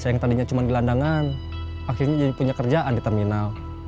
saya yang tadinya cuma di landangan akhirnya jadi punya kerjaan di terminal